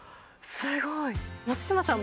すごい松嶋さん